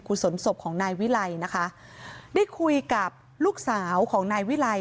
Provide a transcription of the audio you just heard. คุณสนทรพของนายวิไลที่คุยกับลูกสาวของนายวิไล